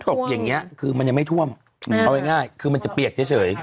ตกอย่างนี้คือมันยังไม่ท่วมเอาง่ายคือมันจะเปียกเฉย